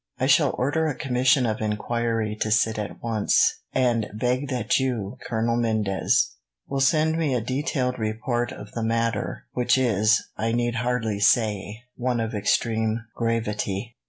"I shall order a commission of enquiry to sit at once, and beg that you, Colonel Mendez, will send me in a detailed report of the matter, which is, I need hardly say, one of extreme gravity."